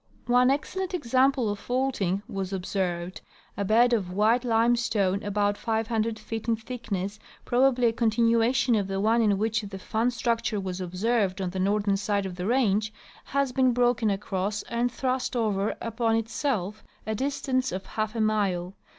One excellent example of faulting was observed. A bed of white limestone about 500 feet in thickness, probably a continuation of the one in which the fan structure was observed on the northern side of the range, has been broken across and thrust over upon itself a distance of half a mile.